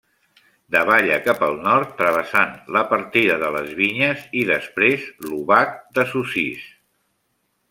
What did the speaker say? Davalla cap al nord travessant la partida de les Vinyes i després l'Obac de Sossís.